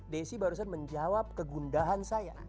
desi barusan menjawab kegundahan saya